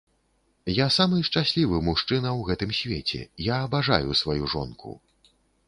Я самы шчаслівы мужчына ў гэтым свеце, я абажаю сваю жонку.